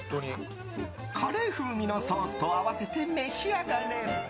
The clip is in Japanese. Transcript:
カレー風味のソースと合わせて召し上がれ。